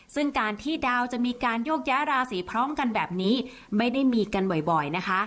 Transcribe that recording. ซึ่งการที่ดาวจะมีการโยกย้ายราศีพร้อมกันแบบนี้ไม่ได้มีกันบ่อยนะคะ